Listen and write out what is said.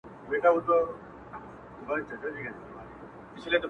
o تم سه چي مُسکا ته دي نغمې د بلبل وا غوندم,